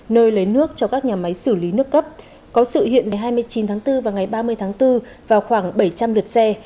nơi lấy nước cho các nhà máy xử lý nước cấp có sự hiện ngày hai mươi chín tháng bốn và ngày ba mươi tháng bốn vào khoảng bảy trăm linh lượt xe